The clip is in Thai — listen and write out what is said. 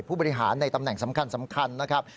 ผู้บริหารในตำแหน่งสำคัญนะครับ